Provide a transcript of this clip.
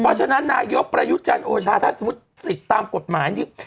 เพราะฉะนั้นนายกประยุจันทร์โอชาธัสสมุทรศิษย์ตามกฎหมายนี้